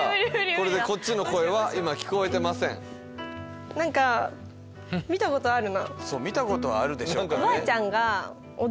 こっちの声は今聞こえてませんなんか見たことあるな見たことはあるでしょうからね